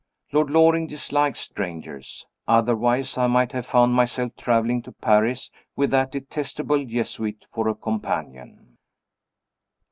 Lord Loring dislikes strangers. Otherwise, I might have found myself traveling to Paris with that detestable Jesuit for a companion.